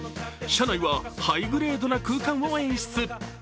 車内はハイグレードな空間を演出。